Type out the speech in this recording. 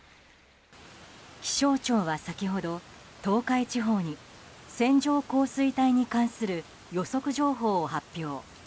気象庁は先ほど、東海地方に線状降水帯に関する予測情報を発表。